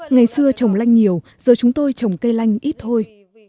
ngày xưa trồng lanh nhiều giờ chúng tôi trồng cây lanh ít thôi